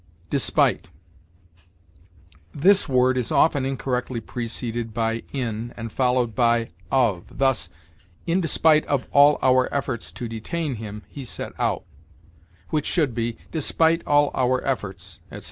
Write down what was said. DESPITE. This word is often incorrectly preceded by in and followed by of; thus, "In despite of all our efforts to detain him, he set out"; which should be, "Despite all our efforts," etc.